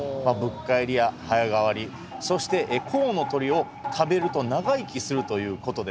ぶっ返りや早替りそして神の鳥を食べると長生きするということでですね